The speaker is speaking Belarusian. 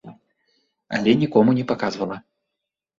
Але нікому не паказвала.